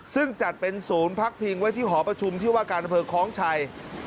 ซึ่งจัดเป็นศูนย์พักพิงไว้ที่หอประชุมที่ว่าการอำเภอคล้องชัย